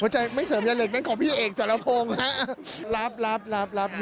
หัวใจไม่เสริมแยร่เหล็กนั่นของพี่เอกจรพงศ์ค่ะ